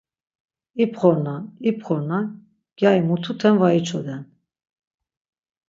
İpxornan, ipxornan, gyari mututen var içoden!